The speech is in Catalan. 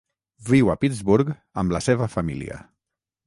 Viu a Pittsburgh amb la seva família.